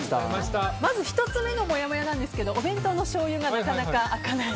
まず１つ目のもやもやなんですけどお弁当のしょうゆがなかなか開かない。